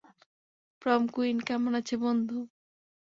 প্রম queen কেমন আছে, বন্ধু?